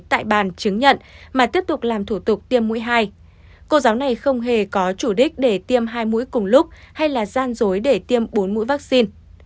tại bàn chứng nhận mà tiếp tục làm thủ tục tiêm mũi hai cô giáo này không hề có chủ đích để tiêm hai mũi cùng lúc hay là gian dối để tiêm bốn mũi vaccine